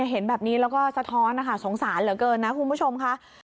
เห็นแบบนี้แล้วก็สะท้อนนะคะสงสารเหลือเกินนะคุณผู้ชมค่ะ